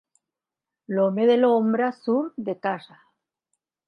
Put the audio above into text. L'home de l'ombra surt de casa.